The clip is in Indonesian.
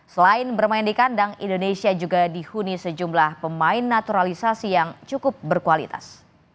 selain bermain di kandang indonesia juga dihuni sejumlah pemain naturalisasi yang cukup berkualitas